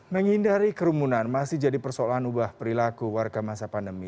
menghindari kerumunan masih jadi persoalan ubah perilaku warga masa pandemi